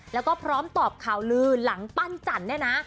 แล้วก็พร้อมตอบข่าวลือหลังปั้นจันทร์เนี่ยนะ